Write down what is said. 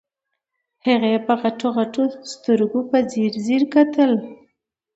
هغې په غټو غټو سترګو په ځير ځير کتل.